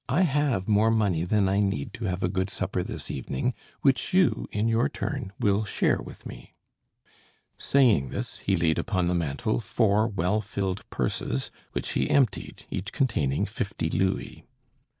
I have more money than I need to have a good supper this evening, which you, in your turn, will share with me." Saying this, he laid upon the mantel four well filled purses, which he emptied, each containing fifty louis.